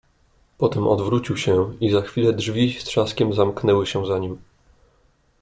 "Potem odwrócił się i za chwilę drzwi z trzaskiem zamknęły się za nim."